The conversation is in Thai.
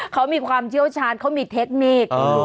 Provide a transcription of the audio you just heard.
เขามีความเชี่ยวชาญเขามีเทคนิค